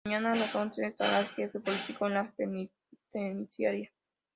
Mañana a las once estará el jefe político en la Penitenciaría.